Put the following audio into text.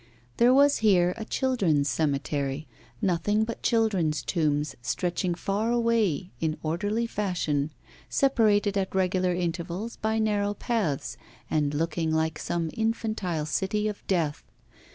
There was here a children's cemetery, nothing but children's tombs, stretching far away in orderly fashion, separated at regular intervals by narrow paths, and looking like some infantile city of death.